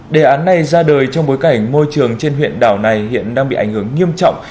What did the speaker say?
đề án này ra đời trong bối cảnh môi trường trên huyện đảo này hiện đang bị ảnh hưởng nghiêm trọng